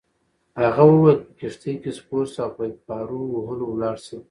هغه وویل: په کښتۍ کي سپور شه او په پارو وهلو ولاړ شه.